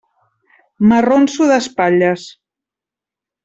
M'arronso d'espatlles.